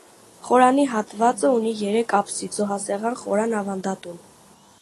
Խորանի հատավածը ունի երեք աբսիդ (զոհասեղան, խորան, ավանդատուն)։